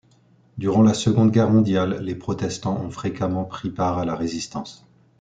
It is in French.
Durant la Seconde Guerre mondiale, les protestants ont fréquemment pris part à la résistance.